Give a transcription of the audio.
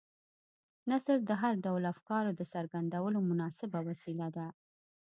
نثر د هر ډول افکارو د څرګندولو مناسبه وسیله ده.